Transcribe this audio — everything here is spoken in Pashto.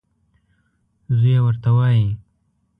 زوی یې ورته وايي .